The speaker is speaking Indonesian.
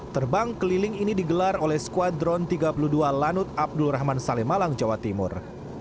terbang keliling ini digelar oleh skuadron tiga puluh dua lanut abdul rahman saleh malang jawa timur